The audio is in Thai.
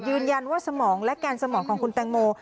ยืนยันว่าสมองและแกนสมองของคุณตังโม